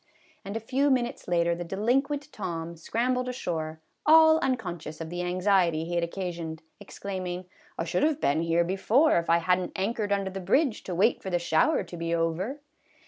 And a few minutes later the delinquent Tom scrambled ashore, all unconscious of the anxiety he had occasioned, exclaiming, " I should have been here before if I had n't anchored under the bridge to wait for the shower to be over."